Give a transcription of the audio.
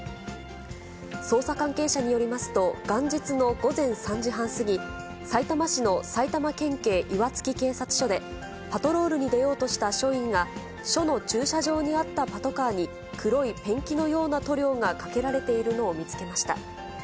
捜査関係者によりますと、元日の午前３時半過ぎ、さいたま市の埼玉県警岩槻警察署で、パトロールに出ようとした署員が、署の駐車場にあったパトカーに黒いペンキのような塗料がかけられているのを見つけました。